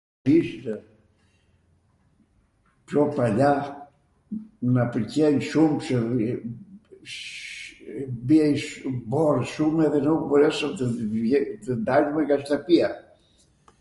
ishtw πιο παλιά na pwlqen shum qw rrim. Bie shum borw, shum, edhe nuk mboreswm tw dalmw nga shtwpia.